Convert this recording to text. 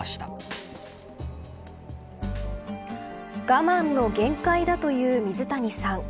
我慢の限界だという水谷さん。